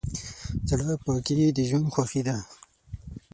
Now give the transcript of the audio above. زړه پاکي د ژوند خوښي ده.